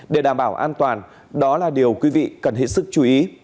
để đảm bảo an toàn đó là điều quý vị cần hết sức chú ý